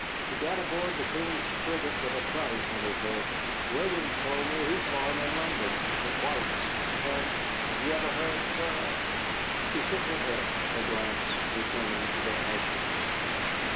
He got aboard the King's frigate with a price on his head. Williams told me he saw him in London, at White's. Have have you ever heard, Sarah?" She shook her head, her glance returning to the ashes.